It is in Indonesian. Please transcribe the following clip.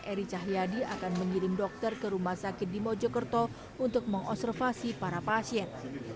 eri cahyadi akan mengirim dokter ke rumah sakit di mojokerto untuk mengobservasi para pasien